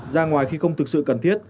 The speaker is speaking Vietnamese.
ra ngoài khi không thực sự cần thiết